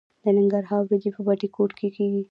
د ننګرهار وریجې په بټي کوټ کې کیږي.